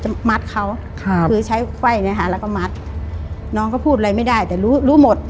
มัดเขาครับคือใช้ไขว้เนี้ยค่ะแล้วก็มัดน้องก็พูดอะไรไม่ได้แต่รู้รู้หมด